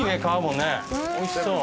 おいしそう。